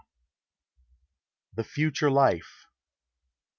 397 THE FUTURE LIFE.